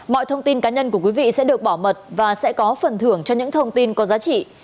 mọi thông tin cá nhân của quý vị sẽ được bảo mật và sẽ có phần thưởng cho những thông tin có giá trị